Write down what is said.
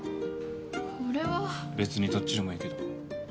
別にどっちでもいいけど。